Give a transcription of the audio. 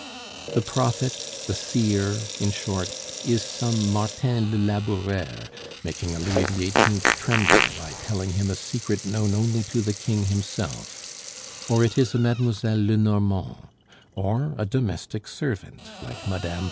The prophet, the seer, in short, is some Martin le Laboureur making a Louis XVIII. tremble by telling him a secret known only to the king himself; or it is a Mlle. Lenormand, or a domestic servant like Mme.